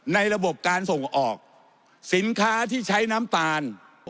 ระบบการส่งออกสินค้าที่ใช้น้ำตาล